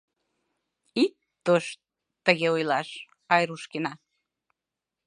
Ит тошт тыге ойлаш, Айрушкина.